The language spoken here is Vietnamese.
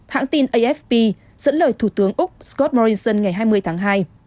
hãng tin afp dẫn lời thủ tướng úc scott morrison ngày hai mươi tháng hai